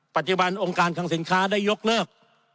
ปัจจุบันองค์การคังสินค้าได้ยกเลิก